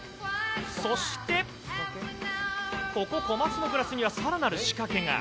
そしてここ、コマツのグラスにはさらなる仕掛けが。